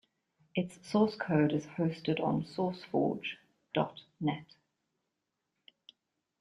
Its source code is hosted on SourceForge dot net.